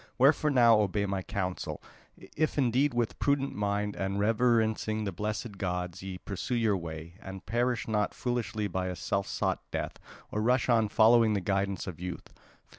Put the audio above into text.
Wherefore now obey my counsel, if indeed with prudent mind and reverencing the blessed gods ye pursue your way; and perish not foolishly by a self sought death, or rush on following the guidance of youth.